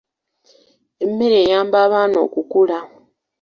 Emmere eyamba abaana okukula.